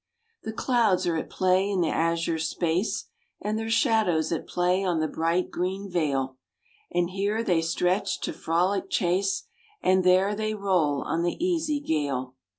The clouds are at play in the azure space, And their shadows at play on the bright green vale, And here they stretch to frolic chase, And there they roll on the easy gale.